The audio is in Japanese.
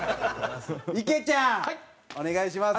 いけちゃん！お願いします。